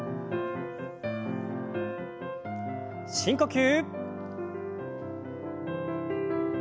深呼吸。